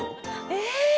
え！